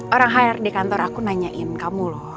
orang hire di kantor aku nanyain kamu loh